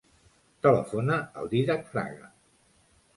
Telefona al Dídac Fraga.